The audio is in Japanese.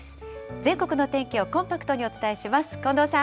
全国の天気をコンパクトにお伝えします。